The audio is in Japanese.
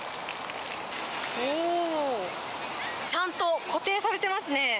おー、ちゃんと固定されてますね。